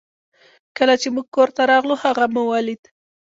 کله چې موږ کور ته راغلو هغه مو ولید